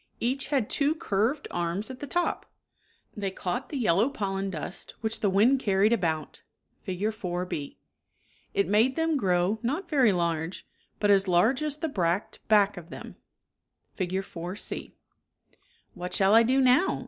' Each had two curved arms at the top. They caught the yellow pollen dust which the wind carried s mature conbs. about (Fig. 4, b). It made them grow, not very large, but as large as the bract back of them (Fig. 4, c). 52 " What shall I do now